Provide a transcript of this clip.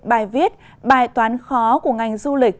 bài viết bài toán khó của ngành du lịch